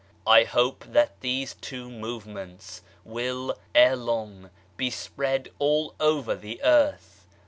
I hope that these two movements will ere long be spread all over the earth.